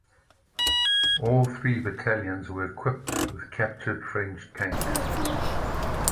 All three battalions were equipped with captured French tanks.